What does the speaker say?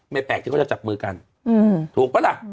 แปลกที่เขาจะจับมือกันถูกปะล่ะ